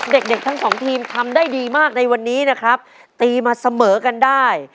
เด็กเด็กทั้งสองทีมทำได้ดีมากในวันนี้นะครับตีมาเสมอกันได้